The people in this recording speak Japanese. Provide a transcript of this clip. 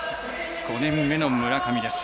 ５年目の村上です。